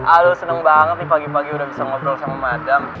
aduh senang banget nih pagi pagi udah bisa ngobrol sama madam